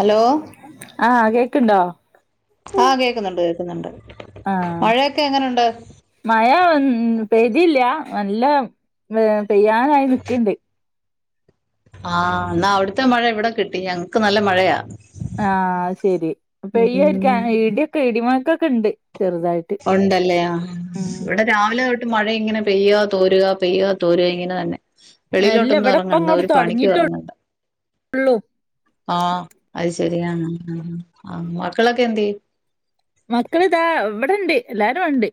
Hello [unintelligible] ആഹ് കേക്ണ്ടോ ആ കേൾക്കുന്നുണ്ട് ന്നുണ്ട് ആ മഴവന്ന് പെയ്തില്ല നല്ല [inaudible] പെയ്യാനായി നിക്ക്ണ്ട് ആഹ എന്നാ അവിടുത്തെ മഴ ഇവിടെ കിട്ടി ഞങ്ങക്ക് നല്ല മഴയാ ആഹ ശരി ഉം പെയ്യായിരിക്കുംഇടിയൊക്കെ ഡി മുഴകണ്ട് ഉണ്ടല്ലേ ഇവിടെ രാവിലെ തൊട്ട് മഴ ഇങ്ങനെ പെയ്യ തോരുക പെയ്യ തോരുക ഇങ്ങനെ തന്നെ അല്ല വെളിയിലോട്ടൊന്നും ഇവിടെ ഇപ്പ ഇറങ്ങണ്ട അങ്ങോട്ട് ഒരു പാണിക്ക് തൊടങ്ങിട്ടൊള്ളൂ ഇറങ്ങണ്ട ആ അത് ശെരിയാ ആ ആാാ മക്കളൊക്കെ എന്തേ മക്കളിതാ ഇവിടെണ്ട് എല്ലാരും ഉണ്ട്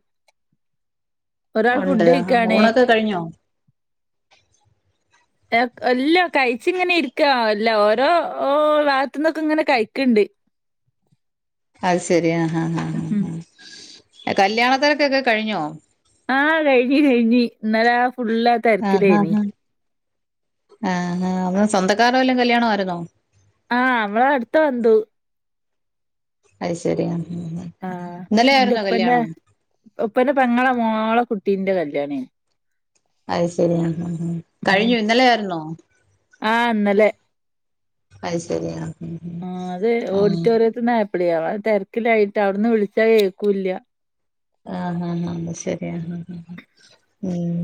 ഒരാൾ ഉണ്ട് ഫുഡ് കഴിക്കാണ് ഊണൊക്കെ കഴിഞ്ഞോ എല്ല കഴിച്ച ഇങ്ങനെ ഇരിക്ക അല്ല ഓരോ ഭാഗത്തു നിന്നൊക്കെ ഇങ്ങനെ കഴിക്കണ്ട് അത് ശരി ആ ആ ആ കല്യാണത്തിരക്കൊക്കെ കഴിഞ്ഞോ? ആഹകഴിഞ്ഞ കഴിഞ് ഇന്നലെ ഫുള്ള് ആതിരക്കിലേനി. ആ അ സ്വന്തക്കാര വല്ലും കല്യാണമായിരുന്നോ? ആ നമ്മളെ അടുത്ത ബന്ധു. അത് ശരിയാ. ആ് എന്റെ ഉപ്പന്റെ ഉപ്പന്റെ പെങ്ങളെ മോളെ കു കുട്ടിന്റെ കല്യാണം ആയിരുന്നു. അത് ശരിയാ. ഉ കഴിഞ്ഞു ഇന്നലെ ആയിരുന്നോ? ആഹ് ഇന്നലെ അത് ശരിയാ. ആ അത് ഓഡിറ്റോറിയത്തിൽ നിന് ആയപ്പോ അവിടെതിരക്കിലായിട്ട് അവിന്ന് വിളിച്ചാ കേക്കൂല്ല ആ ആ ആാ ശരിയാ ഉം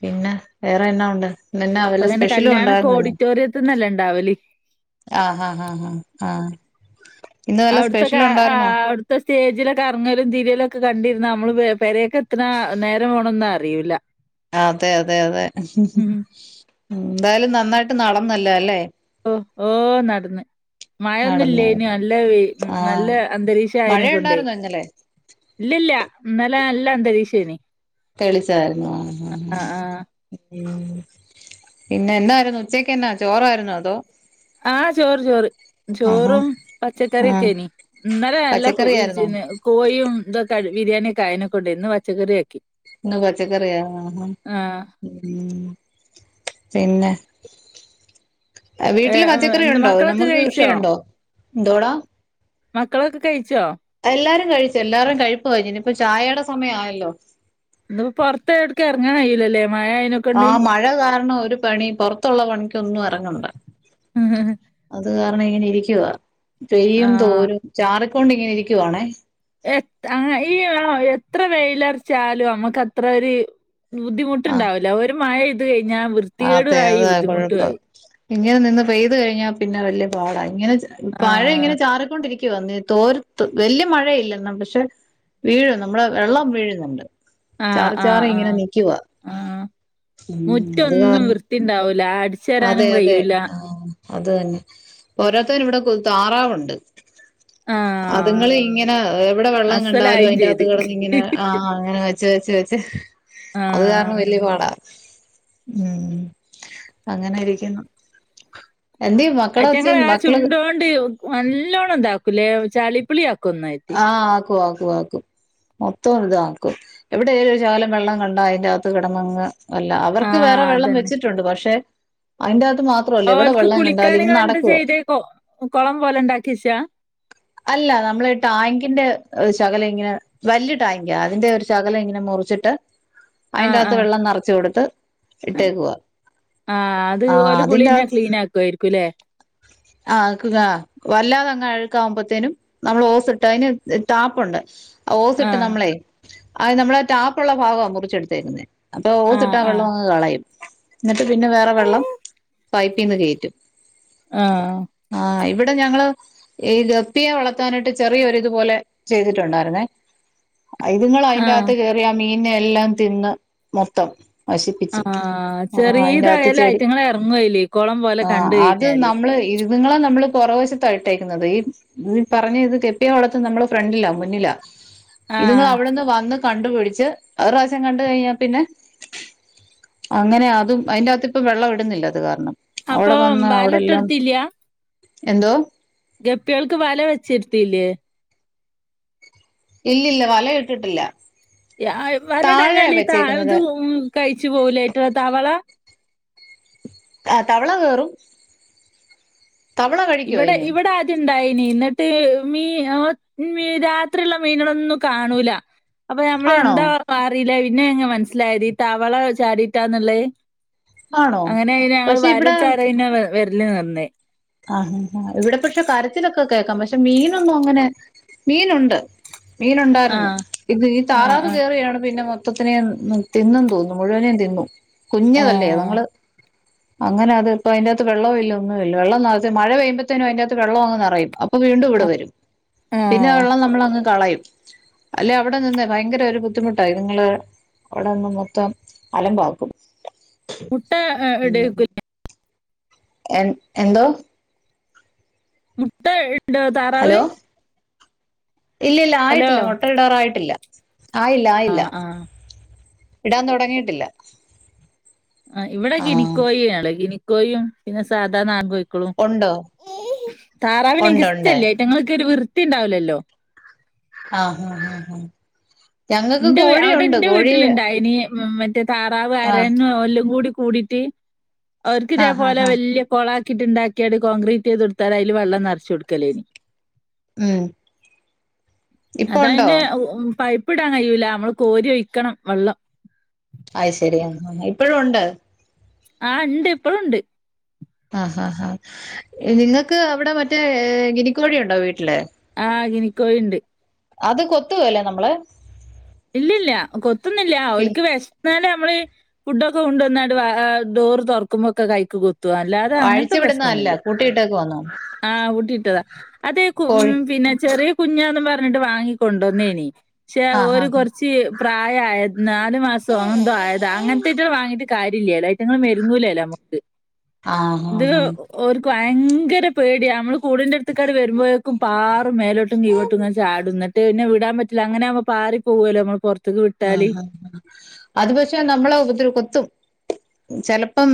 പിന്നെ വേറെ എന്നാ ഉണ്ട്? ഇന്നെന്നാ അപ്പം വല്ല അങ്ങനെ സ്പെഷ്യലും കല്യാണ ഒക്കെ ഉണ്ടായിരുന്നോ ഓഡിറ്റോറിയത്തിൽന്നല്ല ണ്ടാവല്. ആ ആ ആ ആ അവിടുത്തെക്കെ അവിടുത്തെ സ്റ്റേജില് കറങ്ങലും തിരിയലും ഒക്കെ കണ്ടി നമ്മള് പെരയൊക്കെ എത്ര നേരം പോ ണഒന്നും അറിയില്ല. അതെ അതെ അതെ ഉ എന്തായാലും നന്നായിട്ട് നടന്നല്ല അല്ലേ? ഓ ഓ നടന്ന് നടന്നു മഴൊന്നുംല്ലനി നല്ല വെയി ആഹ് നല്ല അന്തരീക്ഷ ആയെയ്നെ കൊണ്ടേ മഴയുണ്ടായിരുന്നോ ഇന്നലെ ഇല്ലല്ല ഇന്നലെ നല്ല നല്ല അന്തരീക്ഷം നല്ല അന്തരീക്ഷനി. തെളിച്ചായിരുന്നു ആ ആഹ് ഉ പിന്നെ എന്തായിരുന്നു ഉച്ചക്ക്ന്നാ ചോറായിരുന്നു അതോ ആഹ ചോറ് ചോറ് ആഹാ ചോറും ആഹ് പച്ചക്കറിയൊക്കെനി ഇന്നലെ നല്ലെ പച്ചക്കറിയായിരുന്നോ കോഴിയും ഇതൊക്കെ ബിരിയാണിയൊക്കെ ആയനെക്കൊണ്ട് ഇന്ന് പച്ചക്കറിയാക്കി. ഇന്ന് പച്ചക്കറിയ ആ ആഹ് പിന്നെ? അ വീട്ടില് ഏഹ് പച്ചക്കറി എന്താ ഒണ്ടോ മക്കളൊക്കെ നമ്മക്ക് കഴിച്ചോ കൃഷിയുണ്ടോ? ന്തോട.. മക്കളൊക്കെ കഴിച്ചോ? എല്ലാരും കഴിച്ചു എല്ലാരും കഴിപ്പ് കഴിഞ്ഞ ഇനി ഇപ്പ ചായയുടെ സമയയല്ലോ ഇപ്പോ പുറത്ത എടക്ക് ഇറങ്ങാൻായില്ലല്ലേ.. ആ മഴ കാരണം ഒരു പണി പുറത്തുള്ള പണിിക്കൊന്നും ഇറങ്ങണ്ട അത് കാരണം അ ഇങ്ങനെ ഇരിക്കുവാ പെയ്യും ആഹ് തോരും ചാറ് കൊണ്ടിങ്ങനെ ഇരിക്കുവാണേ എത് ആ ഈ [unintelligible] എത്ര വെയിലറച്ചാലും അമ്മക്ക് അത്ര ഒര് ആഹ് ബുദ്ധിമുട്ട്ണ്ടാവുല ഒര് മഴ് ഞാൻ വൃത്തികേടു അതെ ആയി അതാ കുഴപ്പം ബുദ്ധിമുട്ടുമായി ഇങ്ങനെ നിന്ന് പെയ്തു കഴിഞ്ഞാൽ പിന്നെ വല്യ പാടാണ് ഇങ്ങനെ പഴ ആഹ് ഇങ്ങനെ ചാറിക്കൊണ്ടിരിക്കും വന്ന തോർത്ത് വലിയ മഴയില്ലെന്ന പക്ഷെ വീഴും നമ്മുടെ വെള്ളം വീഴുന്നുണ്ട് ആഹ് ചാറ് ചാറി ആഹ് ഇങ്ങനെ ആഹ് നിക്കവാ ഉം [unintelligible] കാരണം വൃത്തിണ്ട അതെ അതെ ആ അത് തന്നെ ഓരോരുത്തർ ഇവിടെ കൊ താറാവുണ്ട് ആഹ് അതുങ്ങള് ഇങ്ങനെ എവിടെ വെള്ളം കണ്ടാലും അസ്സലായും അയ്‌ന്റാത്ത് ചെയ്ത് കിടന്ന് ഇങ്ങനെ ആ അങ്ങനെ വെച്ച ച്ചച്ച ച് ആഹ് അതുകാരണം വല്യ പാടാ ഉം അങ്ങനെയിരിക്കുന്നു അറ്റ ഞങ്ങ ആ ചുണ്ടോണ്ട് നല്ലോണം ന്താക്കും [unintelligible] ചളിപിളി ആക്കു അ ആക്കുവാ ആകും മൊത്തം ഇതാക്കും എവിടെല ഒരു ശാലം വെള്ളം കണ്ടാ അതിന്റ്ത്തു കിടന്നങ് അല്ല അവർക്ക് വേറെ ആഹ് വെള്ളം വെച്ചിട്ടുണ്ട് പക്ഷെ അതിന്റെ അവർക്ക് കുളിക്കാന നിങ്ങൾ എന്താ ചെയ്ത കുളം പോലെ ഉണ്ടാക്കിശാ അല്ല നമ്മള ടാങ്കിന്റെ ശകലം ഇങ്ങനെ വലിയ ടാങ്ക് അതിന്റെ ഒരു ശകലം ഇങ്ങനെ മുറിച്ചിട്ട് അതിന്റെകത്ത് വെള്ളം നിറച്ച് കൊടുത്ത് ഇട്ടേക്കുവാ ആ അത് ആഹ് ഓല കുളിഞ്ഞ ക്ലീൻ ആക്കുയിരിക്കുംല്ലേ ആഹ ആക്കു ക വല്ലാതങ്ങ് അഴുക്കാവുമ്പോത്തേനും നമ്മൾ ഓസ് അന് താപ്പുണ്ട് ഓസ് ഇട്ട് ആഹ് നമ്മളെ അത് നമ്മളെ ടാപ്പള്ള ഭാഗമാണ് മുറിച്ചെടുത്തേക്കുന്നെ അപ്പൊ ആഹ് ഓസീട്ടാ ആഹ് വെള്ളവാങ്ങ് കളയും എന്നിട്ട് പിന്നെ വേറെ വെള്ളം പൈപ്പിന്ന് കേറ്റും ആ ടെ ഞങ്ങള് ഈ ഗപ്പിയെ വളർത്താനായിട്ട് ചെറിയൊരിത് പോലെ ചെയ്തിട്ടുണ്ടായിര്ന്നേ. അതുങ്ങൾ ആഹ് അതിന്റെകത്ത് കേയറിയ മീ ന്നെ എല്ലാം തിന്ന് മൊത്തം ആ നശിപ്പിച്ച് ആ അതിൻ്റെ അകത്ത് ചെറിയതായാല് ചെടി ഐറ്റ്ങ്ങള് ഇറങ്ങുവയില് കൊളം പോലെ കണ്ട് കയിഞ്ഞാല്. നിങ്ങളെ നമ്മള് കൊറവശത്ത ഇട്ടേക്കുന്നത് ഈ ഈ പറഞ്ഞ ഇത് ഗപ്പിയെ വളത്ത് നമ്മള് ഫ്രണ്ടിലാ മുന്നിലാ. ഇതുങ്ങൾ ആഹ് അവിടുന്ന് വന്ന് കണ്ടുപിടിച്ച് ഒറാശ്യം കണ്ട് കഴിഞ്ഞാൽ പിന്നെ അങ്ങനെ അതും അതിന്റകത്ത് ഇപ്പം വെള്ളം ഇടുന്നില്ല അത് കാരണം. അപ്പോ അവിടെ വന്ന് അവിടെല്ലാം വാലട്ടെടിത്തില്യ. എന്തോ ഗപ്പികൾക്ക് വല വെച്ചിരുത്തിയില്ലേ? ഇല്ലില്ല വല ഇട്ടിട്ടില്ല. ഇ ആ താഴെ വലടഞ്ഞാൽ ഇ ത വെച്ചേക്കുന്നത് [unintelligible] കഴിച്ചു പോവുലെ തവള. ആ തവള കേറും. തവള കഴിക്കോ ഇവടെ അതിനെ ഇവിടാദ്യം ണ്ടായിനി ന്നിട്ട് മീ ന മീ രാത്രിയുള്ള മീനുകളൊന്നും കാണൂല. അപ്പോ മ്മള് ആണോ എന്താ [unintelligible] പിന്നെ എങ്ങ് മനസ്സിലായത് ഈ തവള ചാടീട്ടാന്നുള്ളേ. ആണോ അങ്ങനെ ഞങ്ങൾ പക്ഷെ വല തറെ ന വ വര് അല്ല [unintelligible] ആ ഹ ഹ ഇവിടെ പക്ഷേ കരച്ചിലൊക്കെ കേക്കാം, പക്ഷേ മീനൊന്നും അങ്ങനെ മീനൊണ്ട്. മീൻ ഒണ്ടായിരുന്നു, ആഹ് ഇത് ഈ ആഹ് താറാവ് ആഹ് കേറിയാണ് പിന്നെ മൊത് മൊത്തത്തിനെയും തിന്നെന്നു തോന്നുന്നു, മുഴുവനേം തിന്നു. കുഞ്ഞതല്ലേ അതങ്ങള്. അങ്ങനെ അത് ഇപ്പ അതിന്റാത്ത് വെള്ളോല്ല ഒന്നുല്ല. വെള്ളം നിറച്ചു മഴ പെയ്യുമ്പത്തേനു അതിന്റാത്ത് വെള്ളങ്ങ് നെറയും, അപ്പോ വീണ്ടുവിടെ ആഹ് വരും. പിന്നെ ആഹ് വെള്ളം നമ്മളങ്ങ് കളയും. അല്ലെ അവിടെ നിന്ന് ഭയങ്കര ഒരു ബുദ്ധിമുട്ടാ ഇതുങ്ങള് അവിടെ നിന്ന് മൊത്തം അലമ്പാക്കും. മുട്ട എ എടുക്കുല്ല. എം എന്തോ മുട്ട എ ന്റെ താറാവേ ഹലോ ഇല്ല ഇല്ല ആയിട്ടില്ല, മൊട്ടയിടാറായിട്ടില്ല. ആയില്ല ആയില്ല ആഹ് ആഹ് ഇടാൻ തൊടങ്ങിയിട്ടില്ല ആ ഇവിടെ ഗിനിക്കോയിയാണ് ഗിനി കോയിയും പിന്നെ സാധാ നാടൻ കോ ഉണ്ടോ താറാവിനെ ന്ക് ഉണ്ട് ഉണ്ട് ഇസ്റ്റല്ലേയിറ്റാ [unintelligible] ഒരു വൃ ത്തിണ്ടാവൂലല്ലോ ആഹ് ഹ് ഹ് ഹ് ഞങ്ങക്ക് കോഴിയുണ്ട് കോഴി മെമ്മൻ താറാവ് ആഹ് അരയന്നോ എല്ലും കൂടി കൂടിട്ട് ആഹ് അവർക്കിതേപോലെ ആഹ് ആഹ് വെല്ല്യാ കൊളാ കിട്ട്ണ്ടാക്കിയാട് കോൺക്രീറ്റെയ്തെട്ത്താൽ അയില് വള്ളം നറ്ച്ചൊട്ക്കലേനി ഉം ഇപ്പൊ ഉണ്ടോ അതയിന്റെ ഉ ഉം പൈ പ്പ്ടാൻ കഴിയൂല അമ്മള് കോരി ഒഴിക്കണം വള്ളം അയ്ശരി [unintelligible] ഇപ്പോഴും ഉ [unintelligible] ആഹ് ഇണ്ട് ഇപ്പളുണ്ട് ആ ഹാ ഹാ നിങ്ങക്ക് അവിടെ മറ്റേ ഗിനിക്കോഴിയുണ്ടോ വീട്ടില് ആഹ് ഗിനിക്കോഴിണ്ട് അത് കൊത്തുവേലെ നമ്മളെ ഇല്ലല്ല കൊത്തുന്നില്ല ഓൽക്ക് വെശ് ന്നാല് നമ്മള് ഫുഡൊക്കെ കൊണ്ടുവന്നാണ്ട് വ ആ ഡോറ് തൊറക്ക്മ്പൊക്കെ കൈക്ക് കൊ ത്ത് അല്ലാതെ അങ്ങനത്തെ അഴിച്ചു വിടുന്നതല്ല പ്രശ്നൊന്നുല്ല കൂട്ടിയിട്ടേക്കുവാന്നോ ആഹ് പൂട്ടിട്ടതാ അതെ കു ഉം കോഴി പിന്നെ ചെറിയ കുഞ്ഞാന്ന് പറ് [unintelligible] രണ്ടും വാങ്ങിക്കൊണ്ടോന്നേനി ക്ഷെ ആഹ് ഒരു ആഹ് കൊറ്ച്ച് പ്രായായത് നാല് മാസോ അങ്ങനെന്തോ ആയതാ അങ്ങനത്തെയ്റ്റളെ വാങ്ങീട്ട് കാര്യല്ലേല്ലെ ഐറ്റങ്ങള് മെരുങ്ങൂലേല്ലൊ നമ്മക്ക് ആഹ് ഹാ ഹാ വയങ്കര പേടിയാ അമ്മള് കൂടിന്റെ അട്ത്ത്ക്കാട്ട് വരുമ്പോഴേക്കും പാറും മേലോട്ടും കീഴോട്ടും ഇങ്ങനെ ചാടും ന്നിട്ട് പിന്നെ വിടാൻ പറ്റില്ല അങ്ങനെയാവ്മ്പം പാറി പോവോല്ലോ അമ്മള് പൊറ് ആഹ് ആ അത് പക്ഷെ നമ്മളെ ഉപദ്രവ് കൊത്തും ചെലപ്പം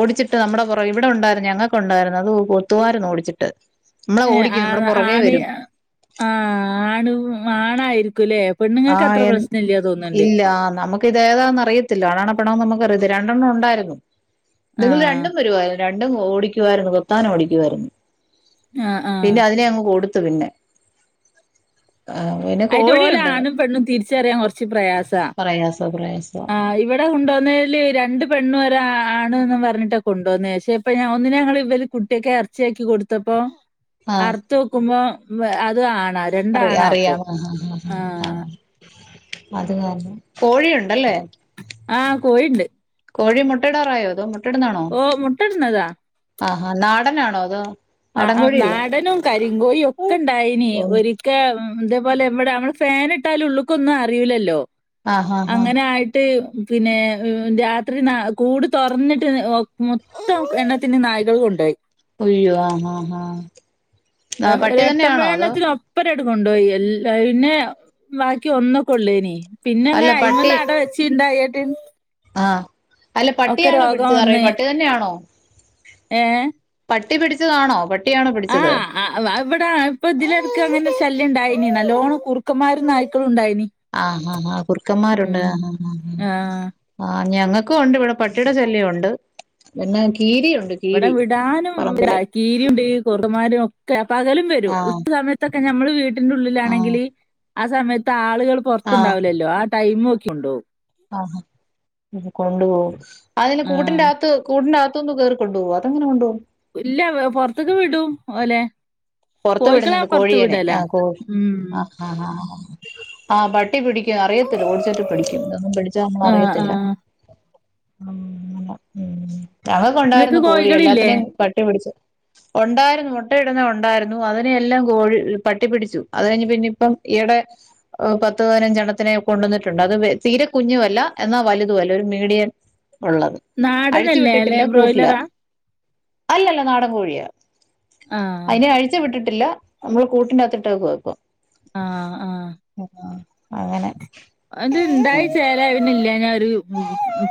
ഓടിച്ചിട്ട് നമ്മുടെ പൊറ ഇവിടെ ഉണ്ടായിരുന്നു ഞങ്ങൾക്ക് ഉണ്ടായിരുന്നു അത് കൊത്തുമായിരുന്നു ഓടിച്ചിട്ട് നമ്മളെ ഏ ആ ഓടിക്കും നമ്മുടെ പുറകെ ആണ് വരും ആ ആണ് ആണായി ക്കുലേ ആഹ എൻ ഇല്ല നമുക്ക് ഇത് ഏതാന്ന് അറിയത്തില്ല ആണാണോ പെണ്ണാണോ നമുക്ക് വറ്ത് രണ്ടെണ്ണോഉണ്ടായിരുന്നു നിങ്ങൾ ആഹ് രണ്ടും വരുായ [unintelligible] പണ്ടും ഓടിക്കുായിരുന്നു കത്താനും ഓടിക്കുായിരുന്നു ആഹ് ആഹ് പിന്നെ അതിനെ അങ്ങ് കൊടുത്ത് [unintelligible] പിന്നെ ആ പിന്നെ അയിറ്റ് ഓലെ കോഴിയുണ്ട് ആണും പെണ്ണും തിരിച്ചറിയാൻ കുറച്ച് പ്രയാസ പ്രയാസോ പ്രയാസോ ആ് ഇവിടെ കൊണ്ടുവന്നതില് രണ്ടു പെണ്ണു ഒരാ [unintelligible] ണ്ണു ആണ്ന്ന് പറഞ്ഞിട്ടാ കൊണ്ടുവന്നെ പഷേ ഇപ്പൊ ഒന്നിനെങ്ങൾ ഇവല് കുട്ടിയെക്ക്എറച്ചിയക്കികൊടുത്തപ്പോ [unintelligible] കൊടുത്തപ്പോ അർത്തോകു്പം [unintelligible] അത് ആണ് അറിയ അറിയാാം ആഹ ആഹ് [unintelligible] അതെ അതെ കോഴിയുണ്ടല്ലേ ആഹ കോയിണ്ട് കോഴി മുട്ടടാറായോതോന്ന് ഓ [unintelligible] മുട്ട ഇടുന്നതാ ആഹ നാടനാണോ? ആണോ [unintelligible] ആ ഹ നാടനും കരിങ്കോഴി ഒക്കെ ഇണ്ടായിനി ഓ, ഒരിക്കേ അതേപോലെ എവിടെ നമ്മടെ ഫാനനി ഇട്ടാലും ഉള്ളക്കൊന്നും അറിയില്ലല്ലോ ആ ആ ആ അങ്ങനെ ആായിട്ട് പിന്നെ രാത്രി ന കൂട് തുറന്നിട്ട് മൊത്തം എണ്ണത്തിന് നയിക്കാള്ക്കൊണ്ടോയി അയ്യോ ആ ഹ ഹ രക്ത വേടനത്തിനൊപ്പം എടുക്കണ്ട പോയി എല്ല പിന്നെ ബാക്കി ഒന്നൊ കൊള്ളേനീ പിന്നെ അല്ല അങ്ങനെ പട്ടി അയ്മന്ന് അട വെച്ചിുണ്ടായ [unintelligible] ആ [unintelligible] അല്ല പട്ടിയാണോ പിടിച്ചുതറ വന്ന് പട്ടി തന്നെയാണോ ഏ [unintelligible] പട്ടി പിടിച്ചതാണോ [unintelligible] ആ പിടിച്ചത് അ വ ഇവ്വ്ടെ ഇപ്പം ഇതിലെട്ക്ക്‌ അങ്ങനെ ശല്യം ഇണ്ടായി നി നല്ലോണ്ണം കുറുക്കന്മാരും നായ്ക്കളും ഇണ്ടായിനി ആ ഹ ഹ കുറുക്കന്മാരുണ്ട് ആ ആ ആ ഞങ്ങക്കും ഒണ്ട് ഇവിടെ പട്ടിടെ ശല്യം ഒണ്ട് പിന്നെ കീരിയുണ്ട് ഇവടെ കീരി വിടാനും പറമ്പില് [unintelligible] കീരി ഉണ്ട് കുറുക്കന്മാരും ഒക്കെ പകലും വരും ആഹ് ഉച്ച സമയത്തൊക്കെ ഞ നമ്മൾ വീ ട്ടിൻ്റെ ആഹ് ഉള്ളിലാണെങ്കില് ആ സമയത്ത് ആൾ ൾകൾ പൊർത്ത് ഇണ്ടാവലല്ലോ ടൈമൊക്കി കൊണ്ടോവും ആ കൊണ്ട് പോവും അതിന് ആ കൂട്ടിന്റെ അകത്ത് കൂട്ടിന്റെ അ ത്തുന്ന് കേറി കൊണ്ട് പോവോ അതെങ്ങനെ കൊണ്ട് പോവും ഇല്ല അവ പൊറത്ത്ക്ക്‌ വിടും ഓലെ പൊർത്ത് കോഴിക്കളെ വിട്ന്ന്ണ്ട് പുറത്ത് കോഴിയെനെ ആ വിടലാ കോഴി ഉം ആ ആ അ അ അ ആ പട്ടി പിടിക്കും അറിയത്തില്ല ഓടിച്ചിട്ട് പിടിക്കും ഇതൊന്നും പിടിച്ചാ നമ്മൾ ആ ആ അറിയത്തില്ല [unintelligible] ഞങ്ങക്ക് നിങ്ങക്ക് ഉണ്ടായിരുന്നു കോഴി കോഴികളില്ലേ എല്ലാത്തിനെയും പട്ടി പിടിച്ചു ഒണ്ടായിരുന്നു മുട്ട ഇടുന്നെ ഒണ്ടായിരു ണു അതിനെ എല്ലാം കോഴി പട്ടിപ്പിടിച്ചു അത് കഴിഞ്ഞ് പിന്നെ ഇപ്പം ഈയിടെ ഹ് പത്ത് പതിനഞ്ച് എണ്ണത്തിനെ കൊണ്ടന്നിട്ടുണ്ട് അത് വെൽ തീരെ കുഞ്ഞുവല്ല എന്നാ വലുതും അല്ല ഒരു മീഡിയൻ ഒള്ളത് അഴിച്ചു നാടനല്ലേ അല്ലെ വിട്ടിട്ടില്ല കൂട്ടിലാ ബ്രോയിലറാ അല്ലല്ല നാടൻ കോഴിയാ ആ അയിനെ അഴി ട്ടിട്ടില്ല നമ്മള് കൂട്ടിനകത്തിട്ട് ഇട്ടേക്കുവാ ഇപ്പം ആ ആ അങ്ങനെ അത് ഇണ്ടായി ചേലായ പിന്നെ ഇല്ലാ ഞാ ഒര്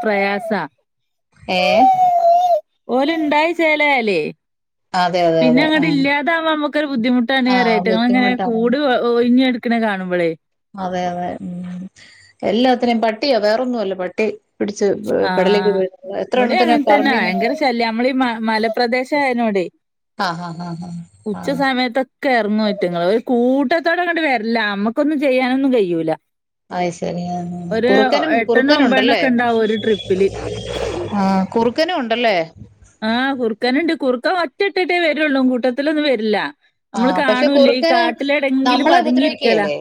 പ്രയാസാ ഏ ഓൽ ഇണ്ടായി ചെലയലേ അതെ അതെ പിന്നെ അതെ ആ അങ്ങട്ട് ഇല്ലാതാവുമ്പോ നമ്മക്കൊരു ബുദ്ധിമുട്ടാണ് ആ പറ ഇറ്റങ്ങളെ ഇങ്ങനെ ബുദ്ധിമുട്ടാണ് കൂട് ഒഴിഞ്ഞ് ക ക്ക്‌ണേ കാണുമ്പളേ അതെ അതെ എല്ലാത്തിനേം പട്ടിയാ വേറൊന്നും അല്ല പട്ടി പിടിച്ച് ആ പെടലേക്ക് ആ വീഴുന്നത് എത്ര ഇവടിം എണ്ണത്തിനെ അങ്ങൻതന്നാ പറമ്പീന്ന് ഭയങ്കര ശല്യാ നമ്മൾ ഈ മ മലപ്രദേശ ആയനോടെ ആ ഹാ ഹാ ഹാ ആ ഉച്ച സമയത്തൊ ക്കെ എറങ്ങും ഇറ്റങ്ങൾ ഒര് കൂട്ടത്തോടെ ഇങ്ങട്ട് വേര്ലാ നമ്മക്കൊന്നും ചെയ്യാനൊന്നും കയ്യൂല അയ് ശരി ആ കുറുക്കനും എട്ടെണ്ണം കുറുക്കൻ ഒമ്പതെണ്ണം ഉണ്ടല്ലേ ഒക്കെ ഇണ്ടാവും ഒരു ട്രിപ്പില് കുറുക്കനും ഉണ്ടല്ലേ [unintelligible] ട്ടിട്ടിട്ടെ വെരൊള്ളൂ കൂട്ടത്തിലൊന്നും വെര്ല്ല ആ പക്ഷെ കുറുക്കന് നമ്മളെ പതുങ്ങിയിരിക്കലാ ഉപദ്രവിക്കേലേ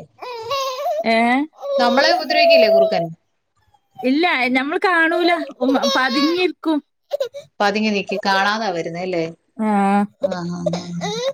ഏഹ് നമ്മളെ ഉപദ്രവിക്കില്ലേ കുറുക്കൻ ഇല്ല ഞമ്മള് കാണൂല പ്പം പതിങ്ങിരിക്കും പതിങ്ങി നിക്കും കാണാതാ വരുന്നേ അല്ലേ ആ ആ ആ ആഹ്